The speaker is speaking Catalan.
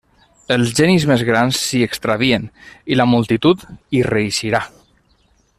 Els genis més grans s'hi extravien, i la multitud hi reeixirà!